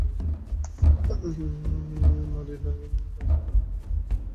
নালীর বাকী অংশটুকু সাধারণত নাইট্রোজেন গ্যাস দিয়ে পূর্ণ থাকে।